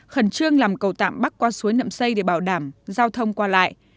khẩn trương làm cầu tạm bắc qua suối nậm xây để bảo đảm giao thông qua lại